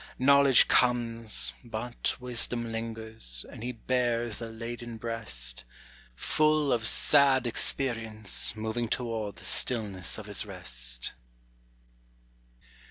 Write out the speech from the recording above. Knowledge comes, but wisdom lingers, and he bears a laden breast, Full of sad experience moving toward the stillness of his rest.